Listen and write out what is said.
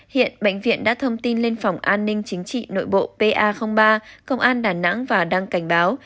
hiện bệnh viện đã thông tin lên phòng an ninh chính trị nội bộ pa ba công an đà nẵng và đăng cảnh báo